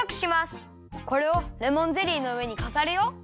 これをレモンゼリーのうえにかざるよ。